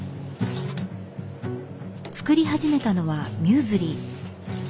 作り始めたのはミューズリー。